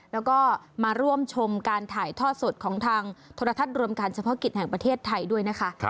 แล้วก็มาร่วมชมการถ่ายทอดสดของทางโทรทัศน์รวมการเฉพาะกิจแห่งประเทศไทยด้วยนะคะ